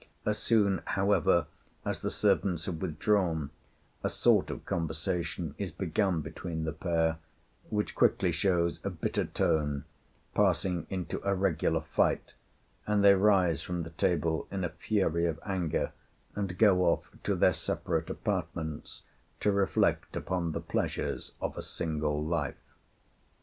As soon, however, as the servants have withdrawn, a sort of conversation is begun between the pair, which quickly shows a bitter tone, passing into a regular fight, and they rise from the table in a fury of anger, and go off to their separate apartments to reflect upon the pleasures of a single life.